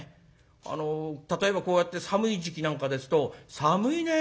あの例えばこうやって寒い時期なんかですと「寒いね。